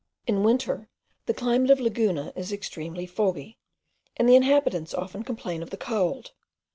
In winter the climate of Laguna is extremely foggy, and the inhabitants often complain of the cold.